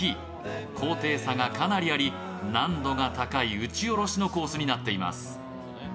高低差がかなりあり、難度が高い打ち下ろしのコースになっています。